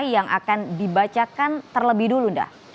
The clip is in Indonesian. yang akan dibacakan terlebih dulu dah